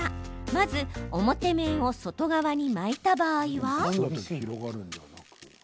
まず、表面を外側に巻いた場合は。